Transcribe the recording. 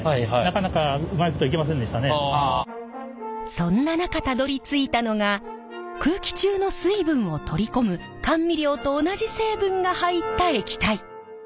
そんな中たどりついたのが空気中の水分をとり込む甘味料と同じ成分が入った液体。